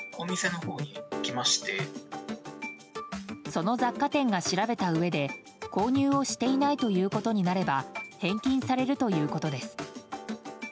その雑貨店が調べたうえで購入をしていないということになれば返金されるということです。